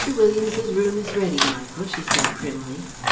Williams's room is ready, Michael," she said primly.